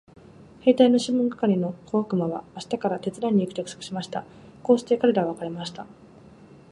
兵隊のシモン係の小悪魔は明日から手伝いに行くと約束しました。こうして彼等は別れました。